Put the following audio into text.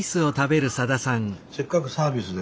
せっかくサービスで。